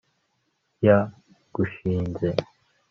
yagushinze